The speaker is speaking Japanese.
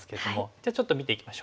じゃあちょっと見ていきましょう。